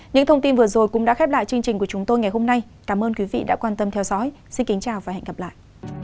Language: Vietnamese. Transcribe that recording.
những thông tin vừa rồi cũng đã khép lại chương trình của chúng tôi ngày hôm nay cảm ơn quý vị đã quan tâm theo dõi xin kính chào và hẹn gặp lại